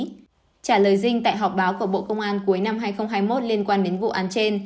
trả lời dinh tại họp báo của bộ công an cuối năm hai nghìn hai mươi một liên quan đến vụ án trên